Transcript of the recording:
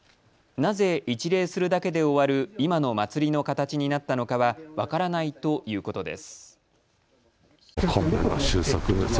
なぜ一礼するだけで終わる今の祭りの形になったのかは分からないということです。